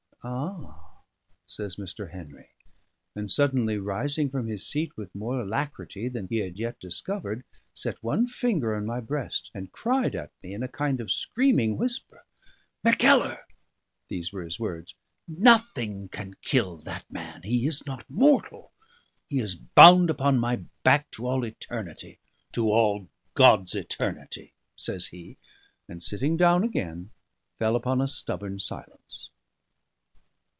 "Ah!" says Mr. Henry; and suddenly rising from his seat with more alacrity than he had yet discovered, set one finger on my breast, and cried at me in a kind of screaming whisper, "Mackellar" these were his words "nothing can kill that man. He is not mortal. He is bound upon my back to all eternity to all God's eternity!" says he, and, sitting down again, fell upon a stubborn silence.